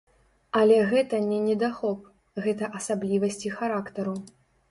Але гэта не недахоп, гэта асаблівасці характару.